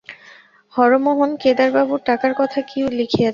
হরমোহন কেদারবাবুর টাকার কথা কি লিখিয়াছে।